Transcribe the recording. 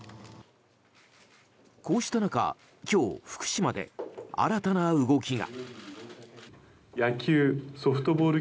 こうした中、今日福島で新たな動きが。